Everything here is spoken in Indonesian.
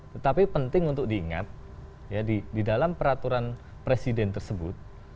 tetapi penting untuk diingat di dalam peraturan presiden tersebut